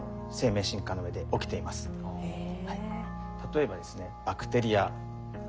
例えばですね